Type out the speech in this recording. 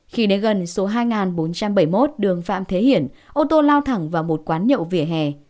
khi đến gần số hai bốn trăm bảy mươi một đường phạm thế hiển ô tô lao thẳng vào một quán nhậu vỉa hè